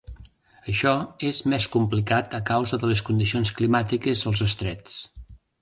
Això és més complicat a causa de les condicions climàtiques als estrets.